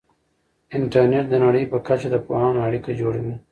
انټرنیټ د نړۍ په کچه د پوهانو اړیکه جوړوي.